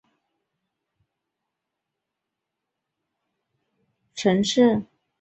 而克拉约瓦也是布加勒斯特西边的主要商业城市。